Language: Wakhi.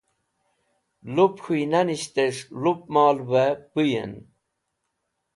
Lup k̃huynanishtẽs̃h lup molvẽ pũyẽn.